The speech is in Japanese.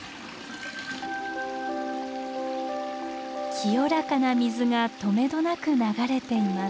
清らかな水がとめどなく流れています。